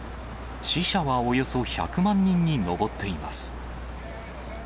死者はおよそ１００万人に上っています。